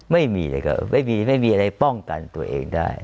ไม่มีเลยครับไม่มีไม่มีอะไรป้องกันตัวเองได้